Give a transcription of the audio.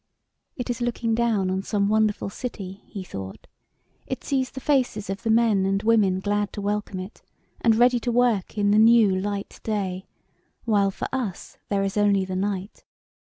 " It is looking down on some wonderful city," he thought ; "it sees the faces of the men and women glad to welcome it, and ready to work in the new light day, while for us there is only the night.